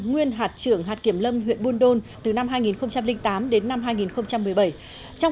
nguyên hạt trưởng hạt kiểm lâm huyện buôn đôn từ năm hai nghìn tám đến năm hai nghìn một mươi bảy